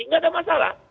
tidak ada masalah